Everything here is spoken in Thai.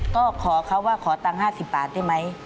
ก็ขอเขาว่าขอตังค์๕๐บาทได้ไหม